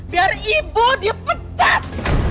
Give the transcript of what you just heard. biar ibu dipecat